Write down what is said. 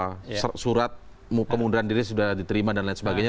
bahwa surat kemudahan diri sudah diterima dan lain sebagainya